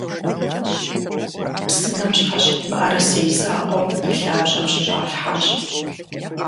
Псынэм щхьэщыт мыӀэрысей закъуэм и лъабжьэм щыщӀалъхьащ.